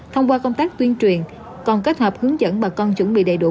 thông qua công tác tuyên truyền còn kết hợp hướng dẫn bà con chuẩn bị đầy đủ